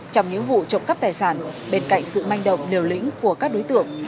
trong những vụ trộm cắp tài sản bên cạnh sự manh động liều lĩnh của các đối tượng